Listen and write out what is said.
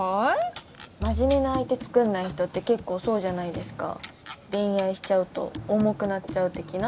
真面目な相手つくんない人って結構そうじゃないですか恋愛しちゃうと重くなっちゃう的な？